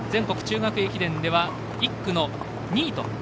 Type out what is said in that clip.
中学駅伝では、１区の２位と。